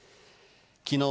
きのう